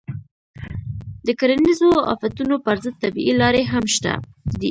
د کرنیزو آفتونو پر ضد طبیعي لارې هم شته دي.